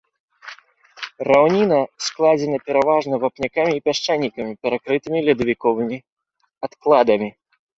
Раўніна складзена пераважна вапнякамі і пясчанікамі, перакрытымі ледавіковымі адкладамі.